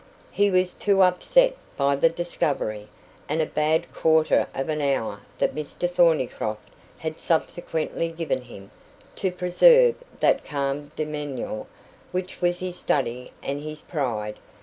He was too upset by the discovery, and a bad quarter of an hour that Mr Thornycroft had subsequently given him, to preserve that calm demeanour which was his study and his pride.